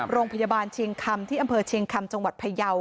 โรงพยาบาลเชียงคำที่อำเภอเชียงคำจังหวัดพยาว